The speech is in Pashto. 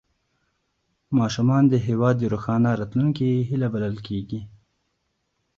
ماشومان د هېواد د روښانه راتلونکي هیله بلل کېږي